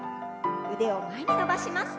腕を前に伸ばします。